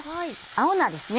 青菜ですね